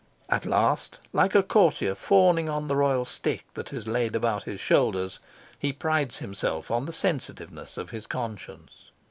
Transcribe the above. At last, like a courtier fawning on the royal stick that is laid about his shoulders, he prides himself on the sensitiveness of his conscience.